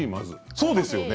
そうですよね。